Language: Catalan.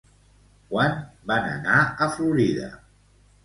Quan van anar a Florida?